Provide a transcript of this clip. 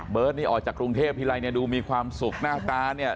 นี่ออกจากกรุงเทพทีไรเนี่ยดูมีความสุขหน้าตาเนี่ย